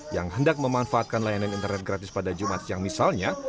yang hendak memanfaatkan layanan internet gratis pada jumat siang misalnya